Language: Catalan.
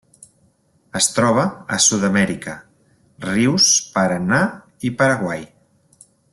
Es troba a Sud-amèrica: rius Paranà i Paraguai.